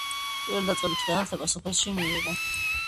პირველდაწყებითი განათლება სოფელში მიიღო.